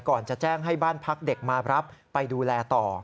ก่อนจะแจ้งให้บ้านพักเด็กมารับไปดูแลต่อ